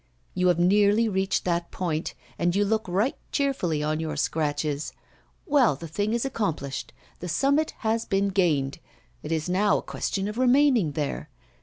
You have nearly reached that point, and you look right cheerfully on your scratches! Well, the thing is accomplished; the summit has been gained; it is now a question of remaining there.